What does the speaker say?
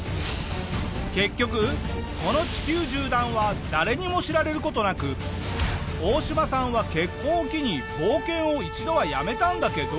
結局この地球縦断は誰にも知られる事なくオオシマさんは結婚を機に冒険を一度はやめたんだけど。